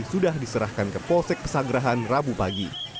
sudah diserahkan ke polsek pesanggerahan rabu pagi